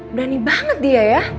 berani banget dia ya